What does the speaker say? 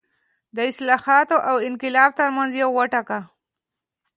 د اصلاحاتو او انقلاب ترمنځ یو وټاکه.